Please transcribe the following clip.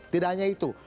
tidak hanya itu